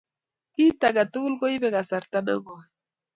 Kit age tugul koipei kasarta nekoi